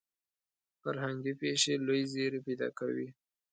فرهنګي پېښې لوی زیری پیدا کوي.